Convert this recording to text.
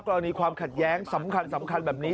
กรณีความขัดแย้งสำคัญแบบนี้